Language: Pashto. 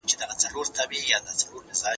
دا ليکلي پاڼي له هغو پاکې دي